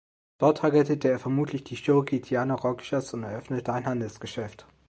Dort heiratete er vermutlich die Cherokee Tiana Rogers und eröffnete ein Handelsgeschäft.